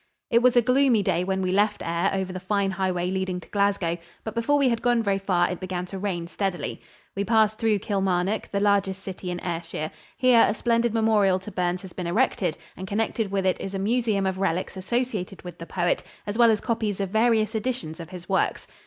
It was a gloomy day when we left Ayr over the fine highway leading to Glasgow, but before we had gone very far it began to rain steadily. We passed through Kilmarnock, the largest city in Ayrshire. Here a splendid memorial to Burns has been erected, and connected with it is a museum of relics associated with the poet, as well as copies of various editions of his works.